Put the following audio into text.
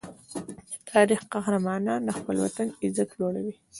د تاریخ قهرمانان د خپل وطن عزت لوړوي.